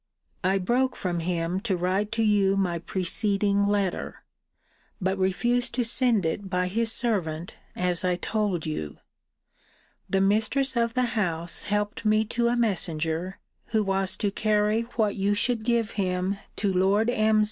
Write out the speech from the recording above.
I broke from him to write to you my preceding letter; but refused to send it by his servant, as I told you. The mistress of the house helped me to a messenger, who was to carry what you should give him to Lord M.'